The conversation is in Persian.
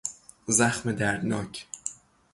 زخم دردناک